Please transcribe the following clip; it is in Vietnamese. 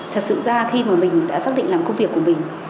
thật sự ra khi mà mình đã xác định làm công việc của mình